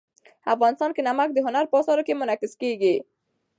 افغانستان کې نمک د هنر په اثار کې منعکس کېږي.